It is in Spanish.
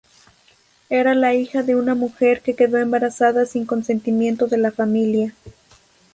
Era la hija de una mujer que quedó embarazada sin consentimiento de la familia.